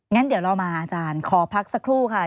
งั้นเดี๋ยวเรามาอาจารย์ขอพักสักครู่ค่ะ